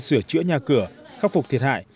sửa chữa nhà cửa khắc phục thiệt hại